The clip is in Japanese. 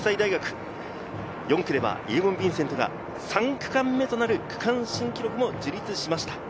４区ではイェゴン・ヴィンセントが３区間目となる区間新記録を樹立しました。